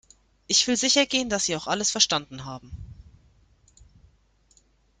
Ich will sicher gehen, dass Sie auch alles verstanden haben.